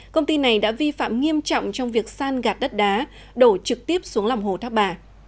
công ty này đã vi phạm nghiêm trọng trong việc san gạt đất đá đổ trực tiếp xuống lòng hồ thác bà